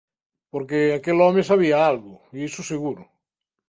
Porque aquel home sabía algo, iso seguro.